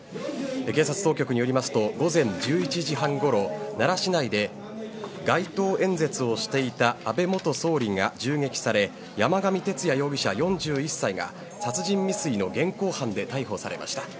警察当局によりますと午前１１時半ごろ奈良市内で街頭演説をしていた安倍元総理が銃撃され山上徹也容疑者、４１歳が殺人未遂の現行犯で逮捕されました。